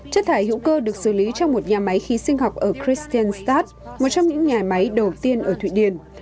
chất thải hữu cơ được xử lý trong một nhà máy khí sinh học ở kristianstad một trong những nhà máy đầu tiên ở thụy điên